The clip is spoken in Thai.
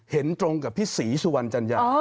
เห็นตรงกับพี่ศรีสุวรรณจัญญา